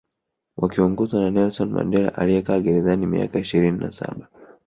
Wakiongozwa na Nelson Mandela aliyekaa gerezani miaka ishirini na Saba